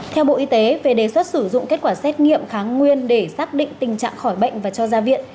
theo bộ y tế về đề xuất sử dụng kết quả xét nghiệm kháng nguyên để xác định tình trạng khỏi bệnh và cho ra viện